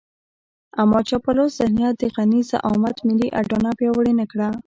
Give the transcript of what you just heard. اما چاپلوس ذهنيت د غني د زعامت ملي اډانه پياوړې نه کړه.